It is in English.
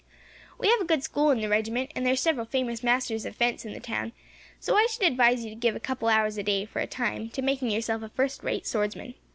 "We have a good school in the regiment, and there are several famous masters of fence in the town, so I should advise you to give a couple of hours a day, for a time, to making yourself a first rate swordsman.